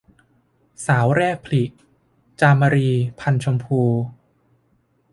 สาวแรกผลิ - จามรี พรรณชมพู